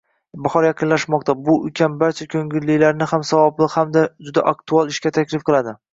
Bahor yaqinlashmoqda, bu ukam barcha koʻngillilarni ham savobli ham juda aktual ishga taklif qiladi.